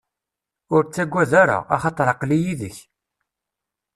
Ur ttagad ara, axaṭer aql-i yid-k.